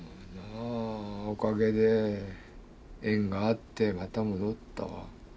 おかげで縁があってまた戻ったわ。